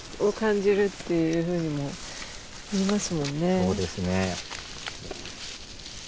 そうですね。